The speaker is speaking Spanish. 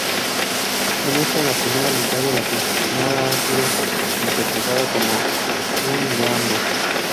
En esta, la primera mitad de la tonada ha sido interpretada como un yambo.